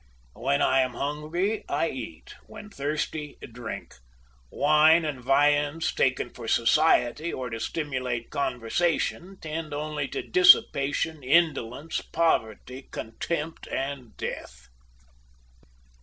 When I am hungry, I eat; when thirsty, drink. Wine and viands, taken for society, or to stimulate conversation, tend only to dissipation, indolence, poverty, contempt, and death."